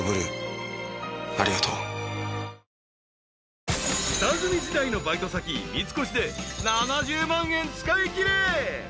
［下積み時代のバイト先三越で７０万円使いきれ］